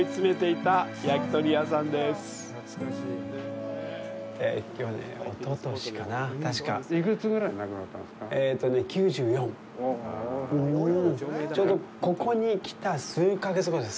たしかちょうどここに来た数か月後です。